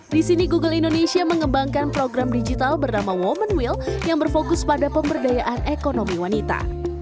di sini google indonesia mengembangkan program digital bernama woman will yang berfokus pada pemberdayaan ekonomi wanita